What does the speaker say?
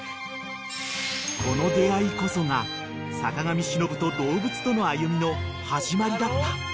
［この出合いこそが坂上忍と動物との歩みの始まりだった］